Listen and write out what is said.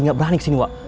gak berani kesini wak